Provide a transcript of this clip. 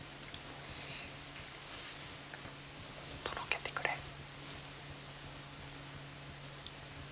とろけてくれ。